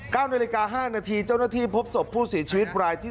นาฬิกาห้านาทีเจ้าหน้าที่พบศพผู้เสียชีวิตรายที่